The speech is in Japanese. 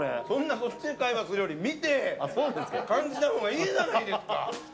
こっちで会話するより見て感じたほうがいいじゃないですか。